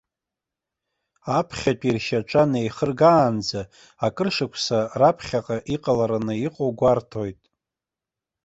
Аԥхьатәи ршьаҿа неихыргаанӡа акыр шықәса раԥхьаҟа иҟалараны иҟоу гәарҭоит.